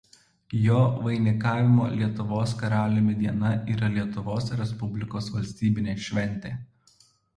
Jo vainikavimo Lietuvos karaliumi diena yra Lietuvos Respublikos valstybinė šventė.